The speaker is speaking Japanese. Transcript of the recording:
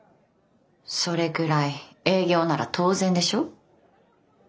それくらい営業なら当然でしょ。